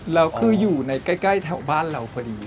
แล้วคืออยู่ในใกล้แถวบ้านเราพอดี